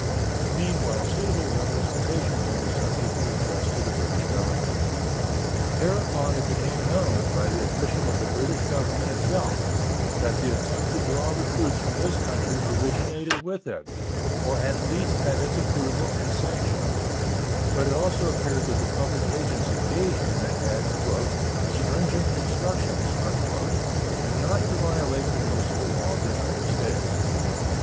Meanwhile suitable representations on the subject were addressed to the British Government. Thereupon it became known, by the admission of the British Government itself, that the attempt to draw recruits from this country originated with it, or at least had its approval and sanction; but it also appeared that the public agents engaged in it had "stringent instructions" not to violate the municipal law of the United States.